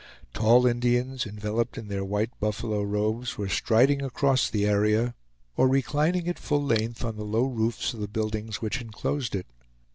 Tall Indians, enveloped in their white buffalo robes, were striding across the area or reclining at full length on the low roofs of the buildings which inclosed it.